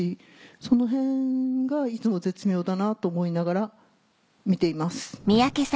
そのへんがいつも絶妙だなと思いながら見ています。